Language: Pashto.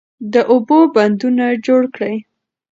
د اوبو بندونه جوړ کړئ.